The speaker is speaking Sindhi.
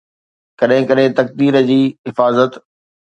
ڪڏهن ڪڏهن تقدير جي حفاظت